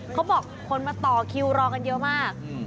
เขาบอกคนมาต่อคิวรอกันเยอะมาก